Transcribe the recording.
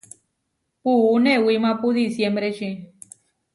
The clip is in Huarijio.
Puú newímapu disiémbreči.